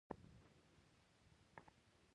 هدایت او جریان د انتقال طریقې دي.